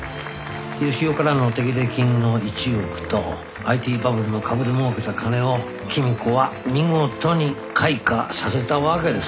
義雄からの手切れ金の１億とＩＴバブルの株でもうけた金を公子は見事に開花させたわけです。